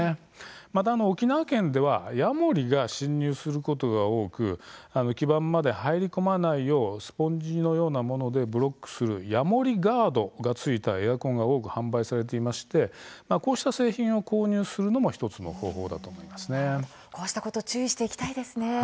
また沖縄県ではヤモリが侵入することが多く基盤まで入り込まないようスポンジのようなものでブロックするヤモリガードがついたエアコンが多く販売されていましてこうした製品を購入するのもこうしたことを注意していきたいですね。